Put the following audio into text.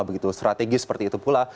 strategis seperti itu pula